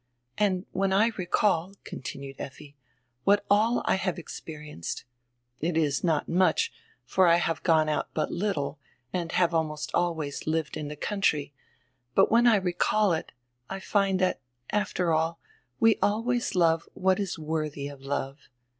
"And when I recall," continued Effi, "what all I have experienced — it is not much, for I have gone out but litde, and have almost always lived in die country — but when I recall it, I find diat, after all, we always love what is worthy of love.